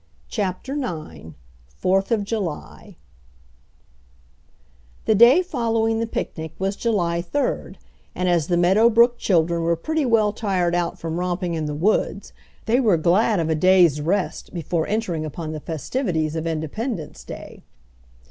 CHAPTER IX FOURTH OF JULY The day following the picnic was July third, and as the Meadow Brook children were pretty well tired out from romping in the woods, they were glad of a day's rest before entering upon the festivities of Independence Day.